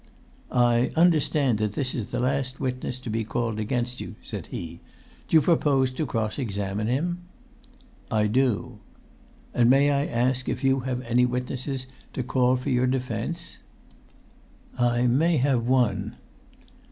"I understand that this is the last witness to be called against you," said he. "Do you propose to cross examine him?" "I do." "And may I ask if you have any witnesses to call for your defence?" "I may have one."